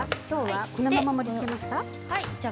このまま盛りつけますか？